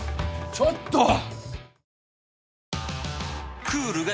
ちょっと。